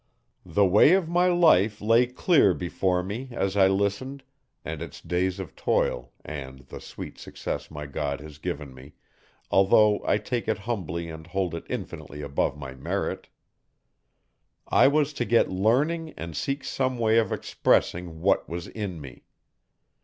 The way of my life lay clear before me, as I listened, and its days of toil and the sweet success my God has given me, although I take it humbly and hold it infinitely above my merit. I was to get learning and seek some way of expressing what was in me.